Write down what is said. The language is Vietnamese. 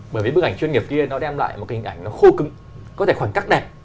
bởi vì bức ảnh chuyên nghiệp kia nó đem lại một hình ảnh nó khô cứng có thể khoảnh khắc đẹp